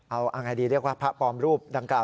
เอาอย่างไรดีเรียกว่าพระพร้อมรูปดังกล่าว